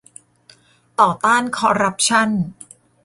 ต่อต้านคอร์รัปชั่น